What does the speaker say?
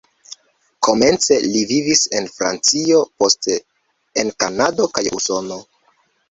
Komence li vivis en Francio, poste en Kanado kaj Usono.